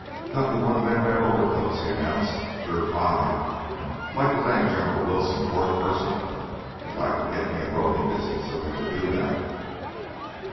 "Got me one of them theah overcoats," he announced. "Sure fine, like to thank General Wilson for it personal. If I could git me in ropin' distance of him to do that."